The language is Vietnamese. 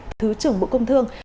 thứ trưởng bộ công thương